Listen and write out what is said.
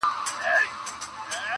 زه او ته به څنگه ښکار په شراکت کړو-